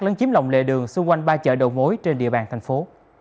lấn chiếm lòng lề đường xung quanh ba chợ đầu mối trên địa bàn thành phố